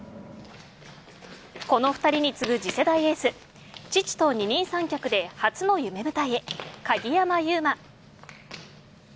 この２人に次ぐ次世代エース父と二人三脚で初の夢舞台へ鍵山優真。